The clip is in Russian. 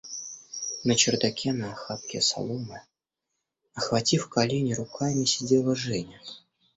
На чердаке на охапке соломы, охватив колени руками, сидела Женя.